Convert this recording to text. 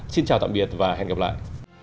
xin chào tạm biệt và hẹn gặp lại